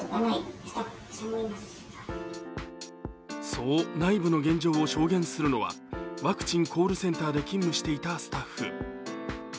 そう内部の現状を証言するのはワクチンコールセンターで勤務していたスタッフ。